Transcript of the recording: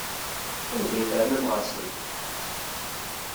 Anda ay ternam ɣer-sent?